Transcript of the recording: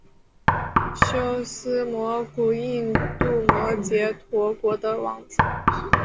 修私摩古印度摩揭陀国的王子。